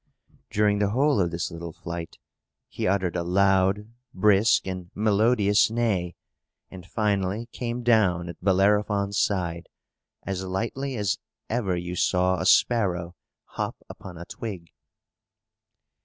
During the whole of this little flight, he uttered a loud, brisk, and melodious neigh, and finally came down at Bellerophon's side, as lightly as ever you saw a sparrow hop upon a twig.